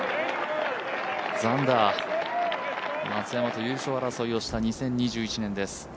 ザンダー、松山と優勝争いをした２０２１年です。